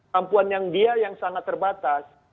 mampuan yang dia yang sangat terbatas